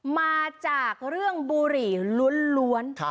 มาจากเรื่องบุหรี่ล้วน